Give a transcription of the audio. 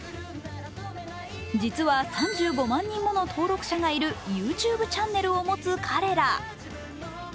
実は３５万人もの登録者がいるＹｏｕＴｕｂｅチャンネルを持つ彼ら。